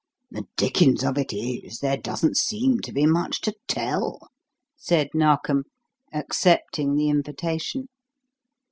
"The dickens of it is there doesn't seem to be much to tell," said Narkom, accepting the invitation.